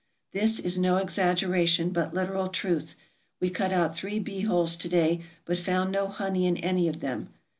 This is no exaggeration, but literal truth. We cut out three bee holes to day, but found no honey in any of them.